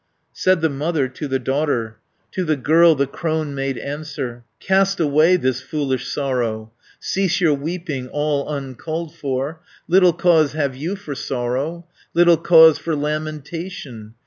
Said the mother to the daughter, To the girl the crone made answer, "Cast away this foolish sorrow, Cease your weeping, all uncalled for, Little cause have you for sorrow, Little cause for lamentation.